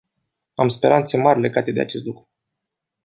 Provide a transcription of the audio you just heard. Am speranțe mari legat de acest lucru.